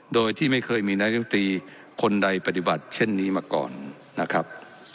โดยที่ไม่เคยมีนายุตรีคนใดปฏิบัติเช่นนี้มาก่อนนะครับ